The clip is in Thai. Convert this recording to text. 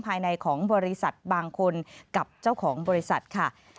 ภายในของบริษัทบางคนกับเจ้าของบริษัทค่ะ